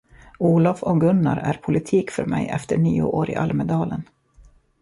Olof och Gunnar är politik för mej efter nio år i Almedalen.